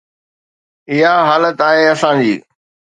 اها حالت آهي اسان جي.